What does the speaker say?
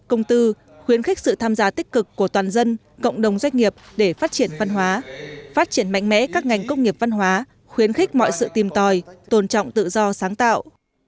công tư khuyến khích sự tham gia tích cực của toàn dân cộng đồng doanh nghiệp để phát triển văn hóa phát triển mạnh mẽ các ngành công nghiệp văn hóa khuyến khích mọi sự tìm tòi tôn trọng tự do sáng tạo